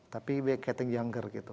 tapi we getting younger gitu